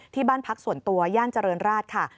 ที่บ้านพักส่วนตัวย่านเจริญราชค่ะ